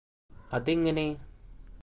അതെങ്ങനെ